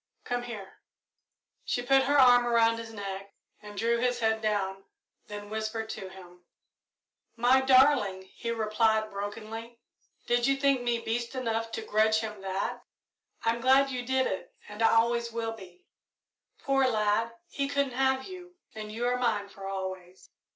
"Come here." She put her arm around his neck and drew his head down, then whispered to him. "My darling!" he replied, brokenly, "did you think me beast enough to grudge him that? I'm glad you did it and I always will be. Poor lad, he couldn't have you, and you are mine for always."